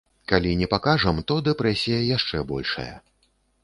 Калі не пакажам, то дэпрэсія яшчэ большая.